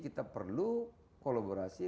kita perlu kolaborasi